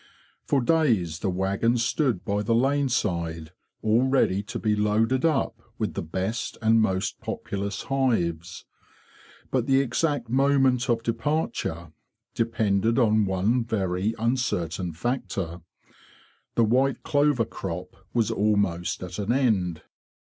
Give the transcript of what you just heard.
For days the waggons stood by the laneside, all ready to be loaded up with the best and most populous hives; but the exact moment of departure depended on one very uncertain factor. The white clover crop was almost at an end.